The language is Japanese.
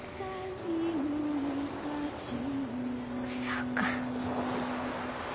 そうか。